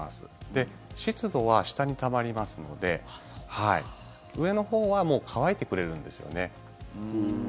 で、湿度は下にたまりますので上のほうはもう乾いてくれるんですよね。